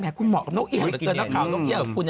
แหมคุณเหมาะกับนกเอี้ยงหรือเป็นน้องขาวนกเอี้ยงกับคุณ